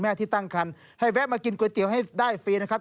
ที่ตั้งคันให้แวะมากินก๋วยเตี๋ยวให้ได้ฟรีนะครับ